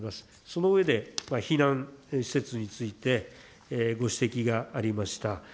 その上で、避難施設について、ご指摘がありました。